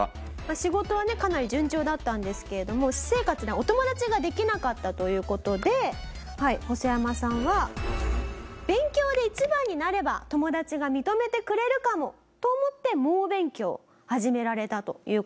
仕事はねかなり順調だったんですけれども私生活でお友達ができなかったという事でホソヤマさんは勉強で１番になれば友達が認めてくれるかもと思って猛勉強を始められたという事なんですね。